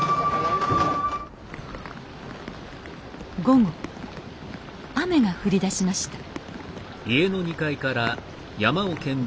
午後雨が降りだしました